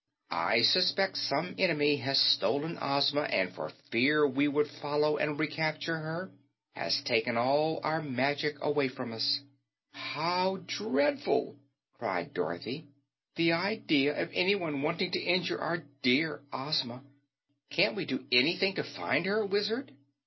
"I suspect some enemy has stolen Ozma and for fear we would follow and recapture her has taken all our magic away from us." "How dreadful!" cried Dorothy. "The idea of anyone wanting to injure our dear Ozma! Can't we do ANYthing to find her, Wizard?"